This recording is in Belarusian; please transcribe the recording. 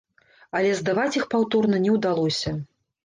Але здаваць іх паўторна не ўдалося.